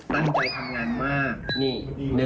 ตั้งใจทำงานมากนี่